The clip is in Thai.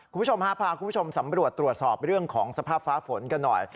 คุณผู้ชมฮะพาคุณผู้ชมสำรวจตรวจสอบเรื่องของสภาพฟ้าฝนกันหน่อย